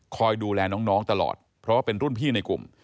คอยดูแลน้องตลอดเพราะว่าเป็นรุ่นพี่ในกลุ่ม